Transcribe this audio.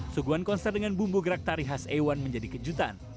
suguhan konser dengan bumbu gerak tari khas a satu menjadi kejutan